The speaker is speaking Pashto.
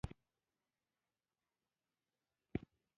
اوږده غرونه د افغانستان د ځانګړي ډول جغرافیه استازیتوب کوي.